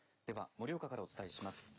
では、盛岡からお伝えします。